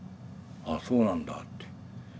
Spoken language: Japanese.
あそうなんだって。